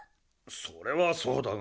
それはそうだが。